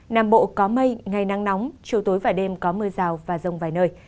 nam bộ có mây ngày nắng nóng chiều tối và đêm có mưa rào và rông vài nơi